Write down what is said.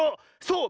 そう！